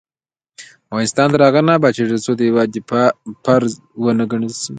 افغانستان تر هغو نه ابادیږي، ترڅو د هیواد دفاع فرض ونه ګڼل شي.